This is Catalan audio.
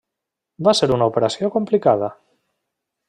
Va ser una operació complicada.